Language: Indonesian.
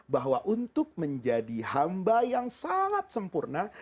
bahwa untuk menjadi hamba yang sangat sempurna